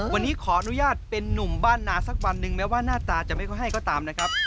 วันนี้ขออนุญาตเป็นนุ่มบ้านนาสักวันหนึ่งแม้ว่าหน้าตาจะไม่ค่อยให้ก็ตามนะครับ